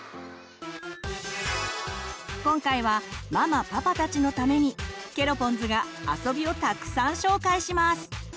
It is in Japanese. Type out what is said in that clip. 今回はママパパたちのためにケロポンズが遊びをたくさん紹介します！